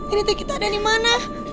ini tiki tak ada di mana